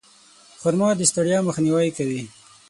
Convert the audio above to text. خرما د ستړیا مخنیوی کوي.